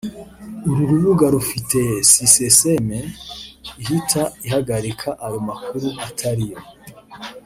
uru rubuga rufite sysyem ihita ihagarika ayo makuru atariyo